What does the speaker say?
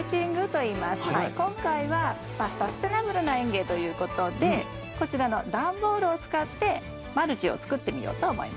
今回はまあサステナブルな園芸ということでこちらの段ボールを使ってマルチを作ってみようと思います。